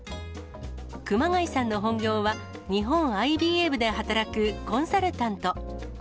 熊谷さんの本業は、日本ＩＢＭで働くコンサルタント。